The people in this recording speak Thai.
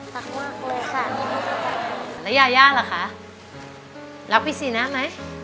รักมากเลยค่ะแล้วยาย่าล่ะคะรักพี่ซีน่าไหม